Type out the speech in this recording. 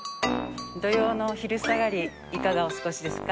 土曜の昼下がりいかがお過ごしですか？